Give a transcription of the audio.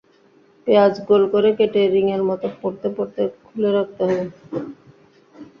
পেঁয়াজ গোল করে কেটে রিঙের মতো পরতে পরতে খুলে রাখতে হবে।